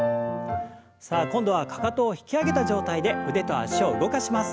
さあ今度はかかとを引き上げた状態で腕と脚を動かします。